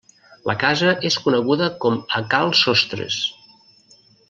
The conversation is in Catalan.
La casa és coneguda com a Cal Sostres.